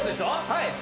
はい。